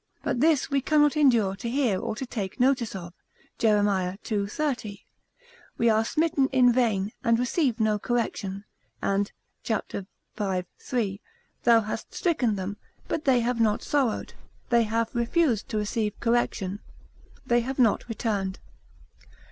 But this we cannot endure to hear or to take notice of, Jer. ii. 30. We are smitten in vain and receive no correction; and cap. v. 3. Thou hast stricken them, but they have not sorrowed; they have refused to receive correction; they have not returned.